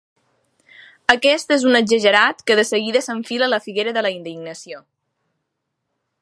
Aquest és un exagerat que de seguida s'enfila a la figuera de la indignació.